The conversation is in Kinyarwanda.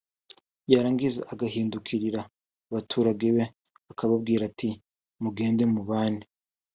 yarangiza agahindurikira abaturage be akababwira ati ‘ mugende mubane